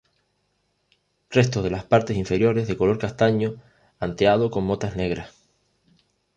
Resto de las partes inferiores de color castaño anteado con motas negras.